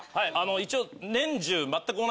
一応。